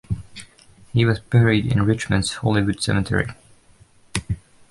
He was buried in Richmond's Hollywood Cemetery.